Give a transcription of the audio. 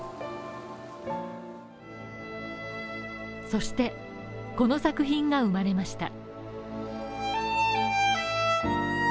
そして、この作品が生まれました。